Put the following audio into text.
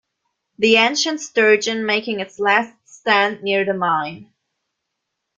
The ancient Sturgeon making its last stand near the mine.